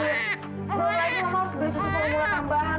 belum lagi mama harus beli susu kormula tambahan